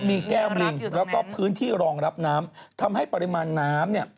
มีแก้วลิงแล้วก็พื้นที่รองรับน้ำทำให้ปริมาณน้ำเนี่ย